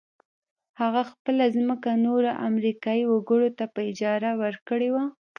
هغه خپله ځمکه نورو امريکايي وګړو ته په اجاره ورکړې وه.